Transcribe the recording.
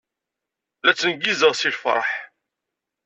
La ttneggizeɣ seg lfeṛḥ.